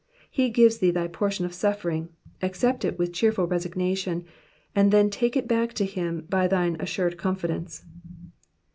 He gives thee thy portion of suffering, accept it with cheerful resignation, and then take it back to him by thine assured confidence.